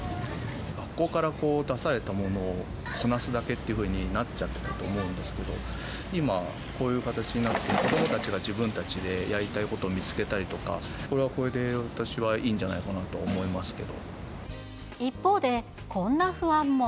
学校から出されたものをこなすだけっていうふうになっちゃってたと思うんですけど、今、こういう形になって、子どもたちが自分たちでやりたいことを見つけたりとか、これはこれで、私はいいんじゃないかなと思いま一方で、こんな不安も。